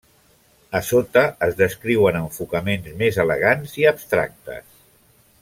A sota es descriuen enfocaments més elegants i abstractes.